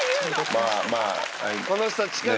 まあまあ。